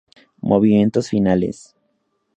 Movimientos finales